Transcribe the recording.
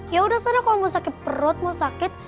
ya udah sadar kamu mau sakit perut mau sakit